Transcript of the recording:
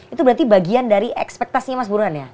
itu berarti bagian dari ekspektasinya mas buruhan ya